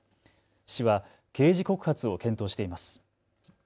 市は刑事告発を検討しています。